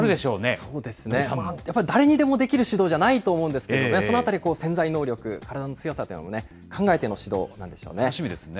そうですね、やっぱり誰にでもできる指導じゃないと思うんですけどね、そのあたり潜在能力、体の強さというのもね、考えての楽しみですね。